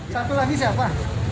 satu lagi siapa